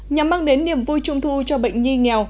nhằm mang đến niềm vui trung thu cho bệnh nhi nghèo